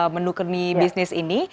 menu kerni bisnis ini